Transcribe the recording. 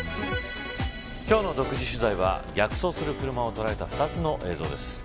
今日の独自取材は逆走する車を捉えた２つの映像です。